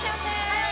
はい！